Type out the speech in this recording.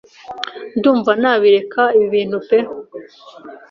ndumva nabireka ibi binntu pe